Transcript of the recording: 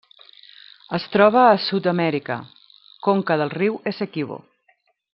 Es troba a Sud-amèrica: conca del riu Essequibo.